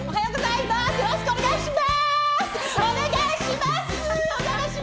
よろしくお願いします。